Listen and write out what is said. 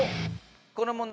この問題